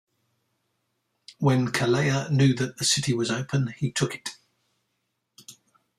When Calleja knew that the city was open he took it.